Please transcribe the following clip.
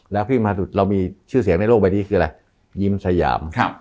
แล้วเรามีชื่อเสียงในโลกบรรยานคือยิ้มสะยาม